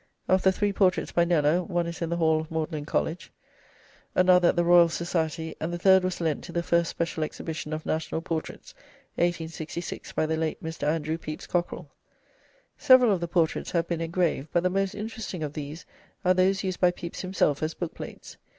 Of the three portraits by Kneller, one is in the hall of Magdalene College, another at the Royal Society, and the third was lent to the First Special Exhibition of National Portraits, 1866, by the late Mr. Andrew Pepys Cockerell. Several of the portraits have been engraved, but the most interesting of these are those used by Pepys himself as book plates.